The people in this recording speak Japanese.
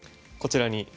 こちらに。